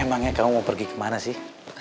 emangnya kamu mau pergi kemana sih